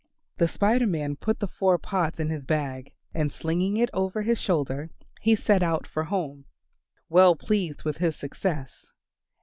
The Spider Man put the four pots in his bag and slinging it over his shoulder he set out for his home, well pleased with his success.